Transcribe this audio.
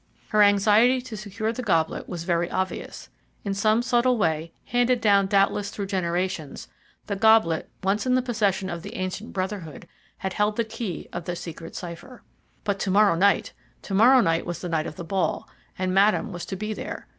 Her anxiety to secure the goblet was very obvious. In some subtle way, handed down, doubtless, through generations, the goblet once in the possession of the ancient Brotherhood had held the key of the secret cipher. But to morrow night! To morrow night was the night of the ball, and Madame was to be there.